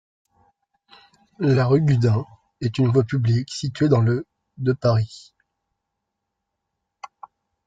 La rue Gudin est une voie publique située dans le de Paris.